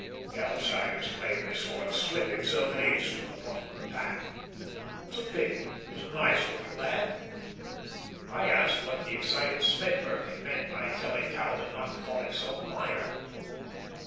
The outsiders claim they saw him slip himself an ace from the bottom of the pack. It's a pity! He's a nice looking lad." I asked what the excited Smedburg had meant by telling Talbot not to call himself Meyer.